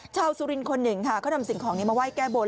เช้าสุรินคละ๑ค่ะเค้านำสิ่งของนี้มาไหว้แก้บน